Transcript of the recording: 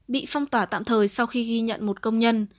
bị phong tỏa tạm thời sau khi ghi nhận một công nhân